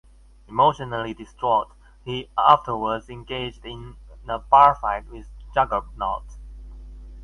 Emotionally distraught, he afterwards engaged in a bar fight with Juggernaut.